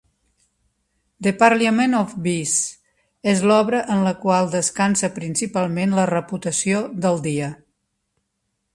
"The Parliament of Bees" és l'obra en el qual descansa principalment la reputació del dia.